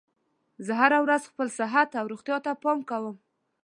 زه هره ورځ خپل صحت او روغتیا ته پام کوم